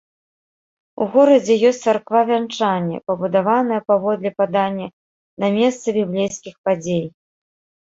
У горадзе ёсць царква вянчання, пабудаваная, паводле падання, на месцы біблейскіх падзей.